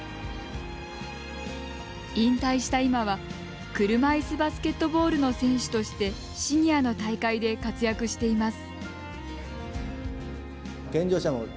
引退した今は車いすバスケットボールの選手としてシニアの大会で活躍しています。